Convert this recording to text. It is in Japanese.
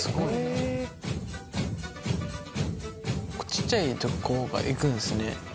ちっちゃい子が行くんですね。